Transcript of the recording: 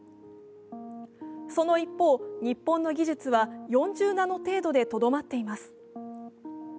その一方、日本の技術は４０ナノ程度でとどまっています。